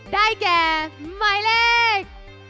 ได้แก่หมายเลข